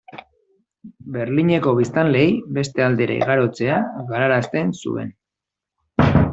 Berlineko biztanleei beste aldera igarotzea galarazten zuen.